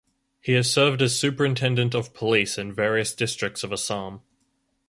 He has served as Superintendent of Police in various districts of Assam.